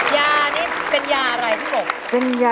ยานี่เป็นยาอะไรพี่หมก